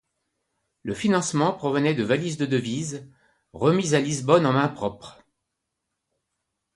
Le financement provenait de valises de devises, remises à Lisbonne en mains propres.